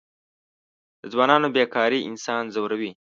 د ځوانانو بېکاري انسان ځوروي.